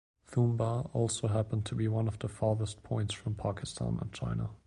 Thumba also happened to be one of the farthest points from Pakistan and China.